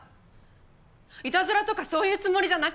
いたずらとかそういうつもりじゃなかったんです。